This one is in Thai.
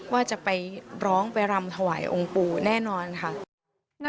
ว่าจะไปร้องไปรำถวายองค์ปู่แน่นอนค่ะ